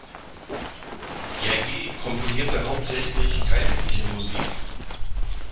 Jaeggi komponierte hauptsächlich geistliche Musik.